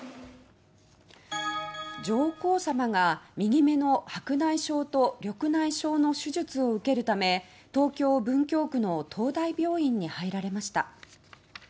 上皇さまが右目の白内障と緑内障の手術を受けるため東京・文京区の東大病院に入られました。